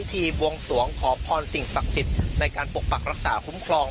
ทีบวงสวงขอพรสิ่งศักดิ์สิทธิ์ในการปกปักรักษาคุ้มครอง